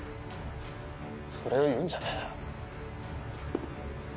それを言うんじゃねえよ。